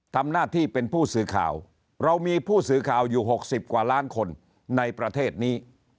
ทำหน้าที่เป็นผู้สื่อข่าวเรามีผู้สื่อข่าวอยู่๖๐กว่าล้านคนในประเทศนี้